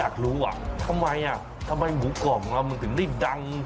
คือต้นต้มแล้วก็ย่าง